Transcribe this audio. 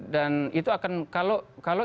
dan itu akan kalau